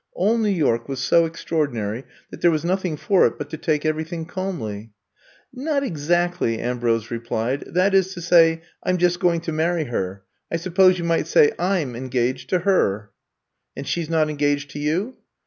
All New York was so extraordinary that there was nothing for it but to take every thing calmly. *^Not exactly," Ambrose replied. That is, to say — I *m just going to marry her. I suppose you might say / 'm en gaged to her." *'And she 's not engaged to you?"